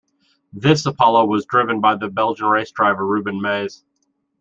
This Apollo was driven by the Belgian race driver Ruben Maes.